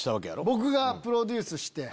僕がプロデュースして。